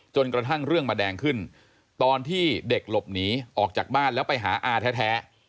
จนกระทั่งเรื่องมาแดงขึ้นตอนที่เด็กหลบหนีออกจากบ้านแล้วไปหาอาแท้